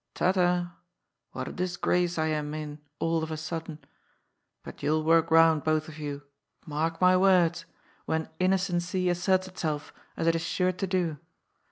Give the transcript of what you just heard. Ta ta ! What a disgrace I am in all of a sudden ! But you'll work round, both of you — mark my words — when innocency asserts itself, as it is sure to do.